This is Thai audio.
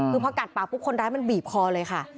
คือพอกัดปากปุ๊บคนร้ายมันบีบคอเลยค่ะ